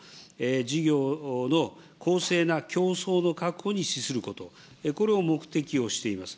事業の公正な競争の確保に資すること、これを目的をしています。